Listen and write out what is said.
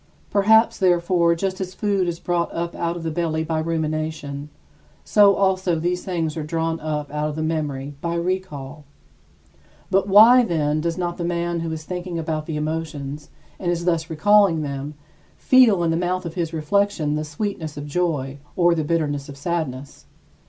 Perhaps, therefore, just as food is brought up out of the belly by rumination, so also these things are drawn up out of the memory by recall. But why, then, does not the man who is thinking about the emotions, and is thus recalling them, feel in the mouth of his reflection the sweetness of joy or the bitterness of sadness?